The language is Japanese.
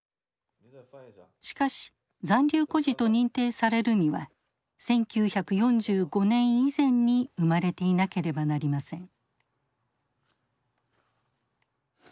しかし残留孤児と認定されるには１９４５年以前に生まれていなければなりません。